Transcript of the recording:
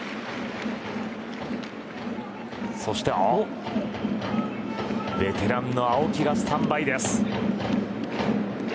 そしてベテランの青木がスタンバイです。